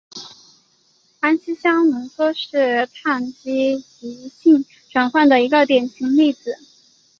安息香缩合是羰基极性转换的一个典型例子。